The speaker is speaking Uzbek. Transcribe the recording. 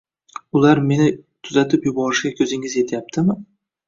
— Ular meni tuzatib yuborishiga ko‘zingiz yetyaptimi?